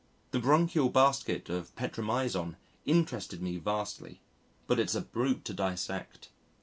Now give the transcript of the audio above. The "branchial basket" of Petromyzon interested me vastly. But it's a brute to dissect.